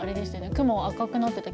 雲赤くなってた。